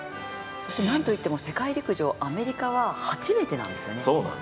なんといっても世界陸上、アメリカは初めてなんですよね？